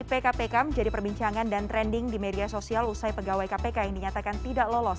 pp kpk menjadi perbincangan dan trending di media sosial usai pegawai kpk yang dinyatakan tidak lolos